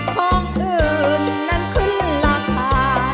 ของอื่นนั้นขึ้นราคา